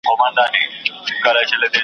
هی کوه یې لکه ډلي د اوزگړو .